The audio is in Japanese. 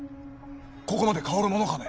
ここまで香るものかね？